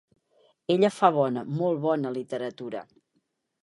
Ella fa bona, molt bona literatura.